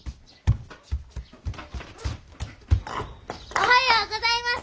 おはようございます！